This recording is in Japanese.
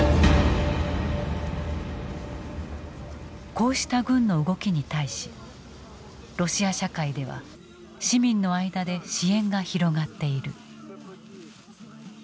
こうした軍の動きに対しロシア社会では市民の間で支援が広がっている。